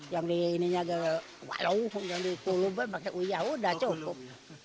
yang di ini nya walaupun yang di kuluban ya udah cukup